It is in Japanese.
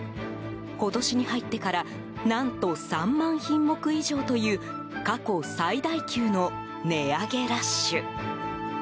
今年に入ってから何と３万品目以上という過去最大級の値上げラッシュ。